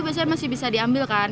biasanya masih bisa diambilkan